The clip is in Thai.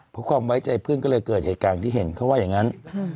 เพราะความไว้ใจเพื่อนก็เลยเกิดเหตุการณ์ที่เห็นเขาว่าอย่างนั้น